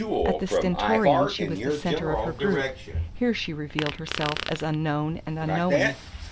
At the Stentorian she was the centre of her group here she revealed herself as unknown and unknowing.